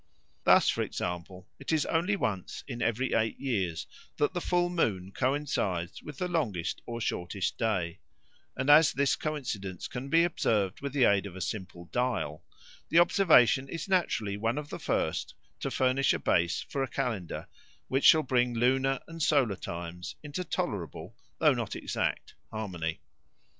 Thus, for example, it is only once in every eight years that the full moon coincides with the longest or shortest day; and as this coincidence can be observed with the aid of a simple dial, the observation is naturally one of the first to furnish a base for a calendar which shall bring lunar and solar times into tolerable, though not exact, harmony.